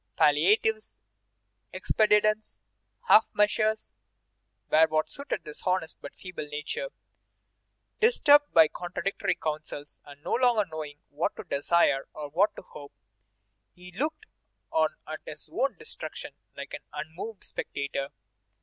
Palliatives, expedients, half measures, were what suited this honest but feeble nature. Disturbed by contradictory councils, and no longer knowing what to desire or what to hope, he looked on at his own destruction like an unmoved spectator.